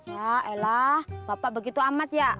ya ella bapak begitu amat ya